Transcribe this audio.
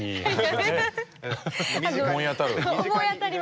思い当たる？